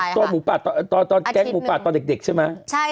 เคยเห็นตัวหมูป่าตอนแกล้งหมูป่าตอนเด็กใช่ไหม